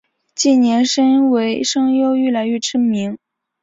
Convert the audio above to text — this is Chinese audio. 近年身为声优愈来愈知名。